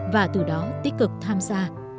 và từ đó tích cực tham gia